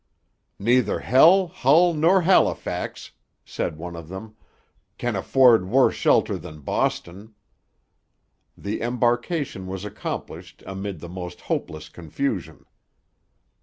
'Neither Hell, Hull, nor Halifax,' said one of them, 'can afford worse shelter than Boston.' The embarkation was accomplished amid the most hopeless confusion.